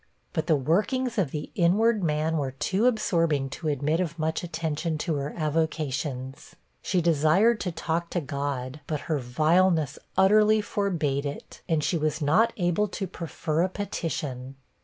But the workings of the inward man were too absorbing to admit of much attention to her avocations. She desired to talk to God, but her vileness utterly forbade it, and she was not able to prefer a petition.